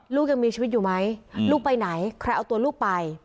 ลูกยังมีชีวิตอยู่ไหมลูกไปไหนใครเอาตัวลูกไป